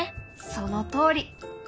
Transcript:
そのとおり！